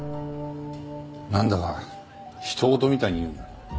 なんだか他人事みたいに言うんだな。